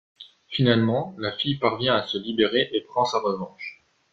Finalement, la fille parvient à se libérer et prend sa revanche.